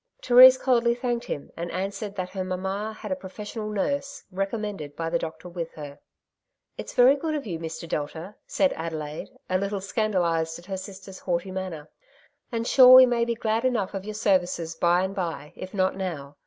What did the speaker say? Therese coldly thanked him, and answered that her mamma had a professional nurse, recommended by the doctor, with her. '^ It's very good of you, Mr. Delta," said Ade laide, a little scandalized at her sister's haughty manner. ^' And sure we may be glad enough of your services by and by, if not now.